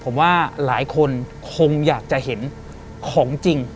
ผมว่าหลายคนคงอยากจะเห็นของจริง